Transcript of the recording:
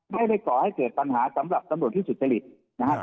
ก่อให้เกิดปัญหาสำหรับตำรวจที่สุจริตนะครับ